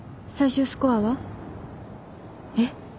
最終スコアは？えっ？